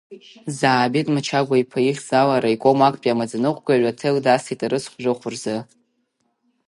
Заабеҭ Мачагәа-иԥа ихьӡ ала араиком актәи амаӡаныҟәгаҩ аҭел дасит арыцхә жәохә рзы.